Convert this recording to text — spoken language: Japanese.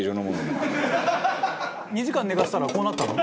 「２時間寝かしたらこうなったの？」